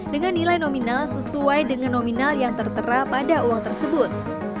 dengan nilai nominal sesuai dengan nominal yang tertera pada uang tersebut